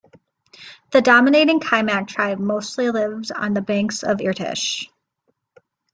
The dominating Kimak tribe mostly lived on the banks of Irtysh.